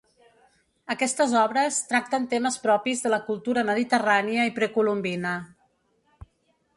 Aquestes obres tracten temes propis de la cultura mediterrània i precolombina.